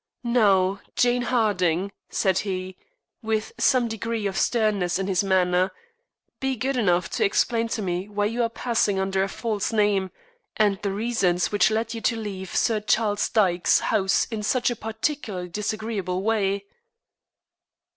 "Now, Jane Harding," said he, with some degree of sternness in his manner, "be good enough to explain to me why you are passing under a false name, and the reasons which led you to leave Sir Charles Dyke's house in such a particularly disagreeable way."